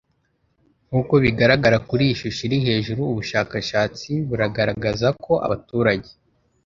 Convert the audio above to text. Nk uko bigaragara kuri iyi shusho iri hejuru ubushakashatsi buragaragaza ko abaturage